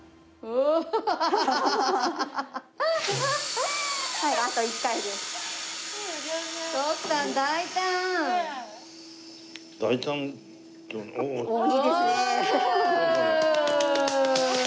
おおいいですね。